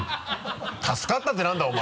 助かったって何だお前！